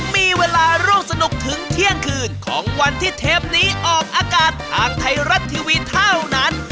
มีเวลาร่วมสนุกถึงเที่ยงคืนของวันที่เทปนี้ออกอากาศทางไทยรัฐทีวีเท่านั้น